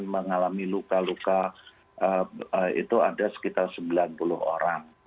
yang meninggal tidak akan mengalami luka luka itu ada sekitar sembilan puluh orang